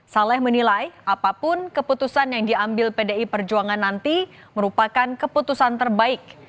saleh menilai apapun keputusan yang diambil pdi perjuangan nanti merupakan keputusan terbaik